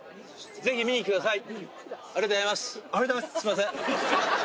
ぜひ見に来てください！